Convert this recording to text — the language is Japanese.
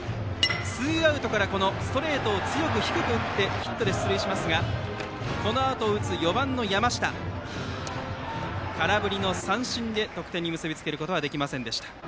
ツーアウトからストレートを強く低く打ってヒットで出塁しますがこのあとを打つ４番の山下が空振り三振で得点に結びつけることはできません。